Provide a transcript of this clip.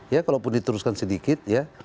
ya kalau pun diteruskan sedikit ya